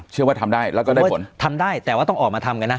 ทำได้แล้วก็ได้ผลทำได้แต่ว่าต้องออกมาทำกันนะ